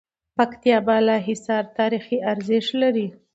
پکتيا بالاحصار تاريخي ارزښت لری